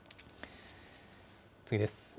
次です。